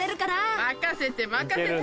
任せて任せて。